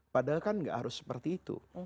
padahal kan nggak harus seperti itu